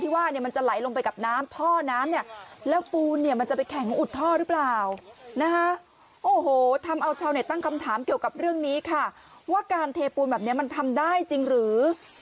ว่าการเทปูนแบบนี้มันทำได้จริงหรือ